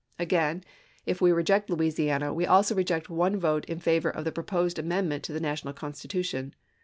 " Again, if we reject Louisiana, we also reject one vote in favor of the proposed amendment to the national Constitution.